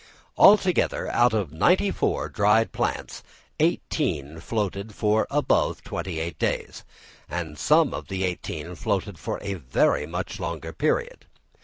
Altogether, out of the ninety four dried plants, eighteen floated for above twenty eight days; and some of the eighteen floated for a very much longer period.